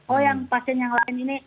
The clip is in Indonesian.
oh yang pasien yang lain ini